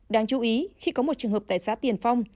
đáng chú ý khi có một trường hợp tại xã tiền phong